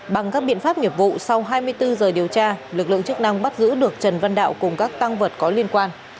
bằng các biện pháp nghiệp vụ sau hai mươi bốn giờ điều tra lực lượng chức năng bắt giữ được trần văn đạo cùng các tăng vật có liên quan